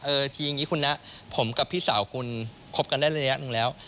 ทีอย่างนี้คุณนะผมกับพี่สาวคุณคบกันได้ระยะหนึ่งแล้ว